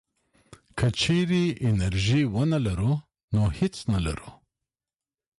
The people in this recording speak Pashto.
که چېرې انرژي ونه لرو نو هېڅ نه لرو.